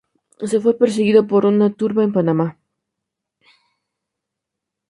Si fue perseguido por una turba en Panamá.